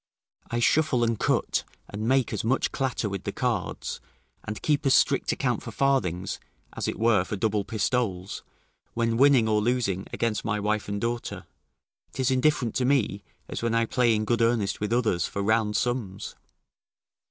I shuffle and cut and make as much clatter with the cards, and keep as strict account for farthings, as it were for double pistoles; when winning or losing against my wife and daughter, 'tis indifferent to me, as when I play in good earnest with others, for round sums.